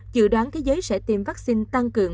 dự đoán thế giới sẽ tiêm vaccine tăng cường